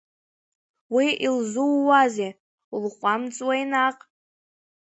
Уи илзууазеи, улҟәамҵуеи наҟ…